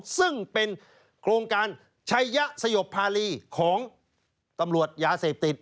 ซึ่งเป็นโครงการชัยยะสยบภารีของตำรวจยาเสพติด